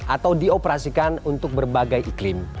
atau dioperasikan untuk berbagai iklim